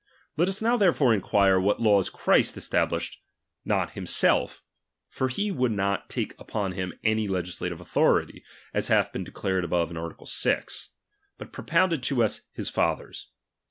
Let us now therefore inquire what laws Christ established not himself ; for he would not take upon him any legislative authority, as hath been declared above in art. 6 ; but propounded to us for his Father's.